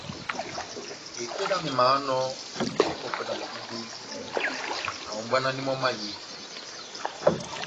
Epédi yami émahánɔ moto opɔ́kwɛ dambo dibevi, nahombwanandi mɔ́ mahiyedɛ.